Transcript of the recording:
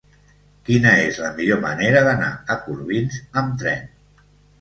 Quina és la millor manera d'anar a Corbins amb tren?